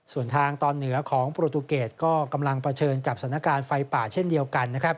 ส่วนทางตอนเหนือของโปรตูเกตก็กำลังเผชิญกับสถานการณ์ไฟป่าเช่นเดียวกันนะครับ